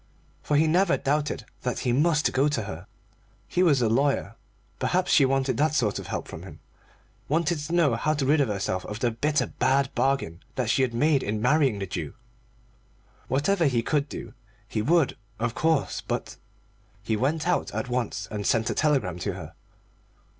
For he never doubted that he must go to her. He was a lawyer; perhaps she wanted that sort of help from him, wanted to know how to rid herself of the bitter bad bargain that she had made in marrying the Jew. Whatever he could do he would, of course, but He went out at once and sent a telegram to her.